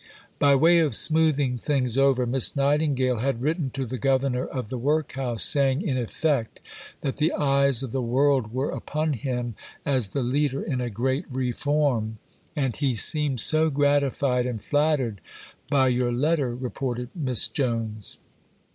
By way of smoothing things over, Miss Nightingale had written to the governor of the workhouse saying, in effect, that the eyes of the world were upon him as the leader in a great reform; and he "seemed so gratified and flattered by your letter," reported Miss Jones.